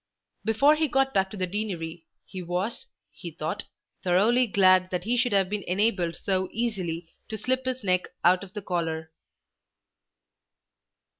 Before he got back to the Deanery he was, he thought, thoroughly glad that he should have been enabled so easily to slip his neck out of the collar.